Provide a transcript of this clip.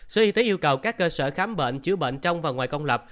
sở y tế yêu cầu các cơ sở khám bệnh chữa bệnh trong và ngoài công lập